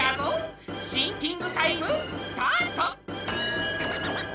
シンキングタイムスタート！